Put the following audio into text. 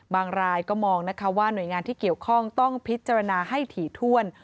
รายก็มองนะคะว่าหน่วยงานที่เกี่ยวข้องต้องพิจารณาให้ถี่ถ้วน